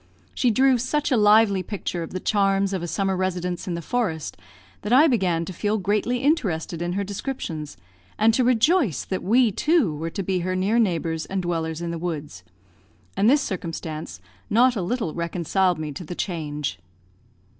She drew such a lively picture of the charms of a summer residence in the forest that I began to feel greatly interested in her descriptions, and to rejoice that we, too, were to be her near neighbours and dwellers in the woods; and this circumstance not a little reconciled me to the change.